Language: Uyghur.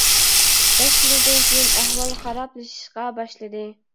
بەش يىلدىن كېيىن ئەھۋال خارابلىشىشقا باشلىدى.